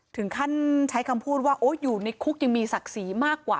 ถึงขั้นใช้คำพูดว่าอยู่ในคุกยังมีศักดิ์ศรีมากกว่า